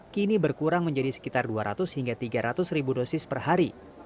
kini berkurang menjadi sekitar dua ratus hingga tiga ratus ribu dosis per hari